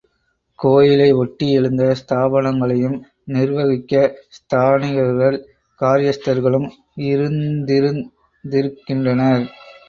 கோயிலை ஒட்டி எழுந்த ஸ்தாபனங்களையும் நிர்வகிக்க ஸ்தானிகர்கள், காரியஸ்தர்களும் இருந்திருக்கின்றனர்.